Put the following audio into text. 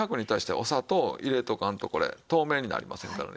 お砂糖入れておかんとこれ透明になりませんからね。